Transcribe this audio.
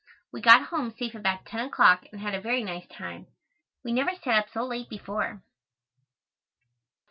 We got home safe about ten o'clock and had a very nice time. We never sat up so late before.